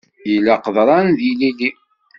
Yella qeḍran d yilili.